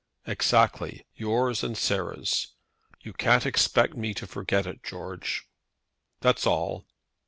"Exactly; your's and Sarah's. You can't expect me to forget it, George; that's all."